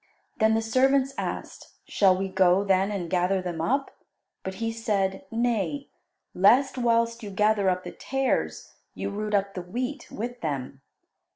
Then the servants asked, "Shall we go, then, and gather them up?" But he said, "Nay, lest whilst you gather up the tares, you root up the wheat with them.